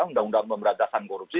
undang undang pemberantasan korupsi